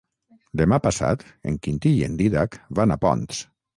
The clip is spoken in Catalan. Demà passat en Quintí i en Dídac van a Ponts.